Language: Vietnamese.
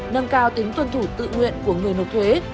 nâng cao tính tuân thủ tự nguyện của người nộp thuế